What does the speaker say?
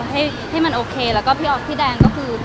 ให้มันโอเคแล้วก็พี่อ๊อฟพี่แดงก็คือ